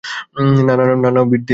না, না, বিট দিয়ে গা।